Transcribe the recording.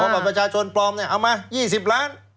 บัตรประชาชนปลอมเนี่ยเอามา๒๐ล้าน